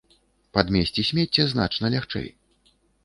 Падмесці смецце значна лягчэй.